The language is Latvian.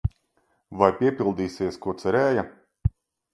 Vai piepildīsies, ko cerēja?